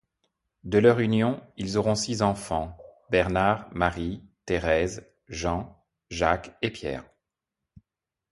De leur union, ils auront six enfants, Bernard, Marie, Thérèse, Jean, Jacques et Pierre.